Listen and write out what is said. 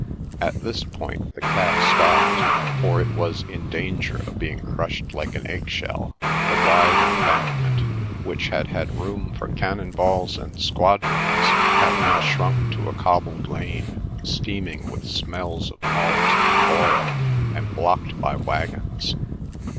At this point the cab stopped, for it was in danger of being crushed like an egg shell. The wide Embankment which had had room for cannonballs and squadrons, had now shrunk to a cobbled lane steaming with smells of malt and oil and blocked by waggons.